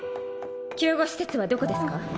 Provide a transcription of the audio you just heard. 救護施設はどこですか？